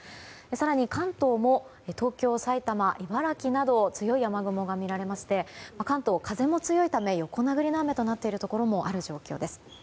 更に関東も東京、埼玉、茨城など強い雨雲が見られまして関東風も強いため横殴りの雨となっているところもあります。